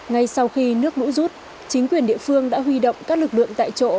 ngay sau khi nước lũ rút chính quyền địa phương đã huy động các lực lượng tại chỗ